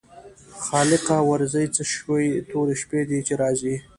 خالقه ورځې څه شوې تورې شپې دي چې راځي.